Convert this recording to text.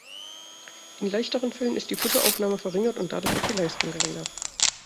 In leichteren Fällen ist die Futteraufnahme verringert und dadurch auch die Leistung geringer.